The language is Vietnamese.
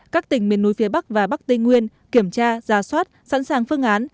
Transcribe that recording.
các tỉnh miền núi phía bắc và bắc tây nguyên kiểm tra giả soát sẵn sàng phương án